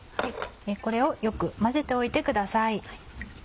これをよく混ぜておいてください。